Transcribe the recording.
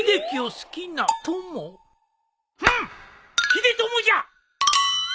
秀友じゃ！